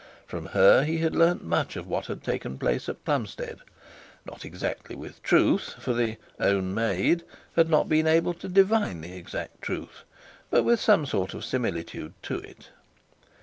From her he had learnt much of what had taken place at Plumstead; not exactly with truth, for the 'own maid' had not been able to divine the exact truth, but with some sort of similitude to it.